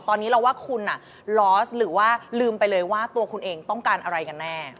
ตอนนี้เราว่าคุณลอสหรือว่าลืมไปเลยว่าตัวคุณเองต้องการอะไรกันแน่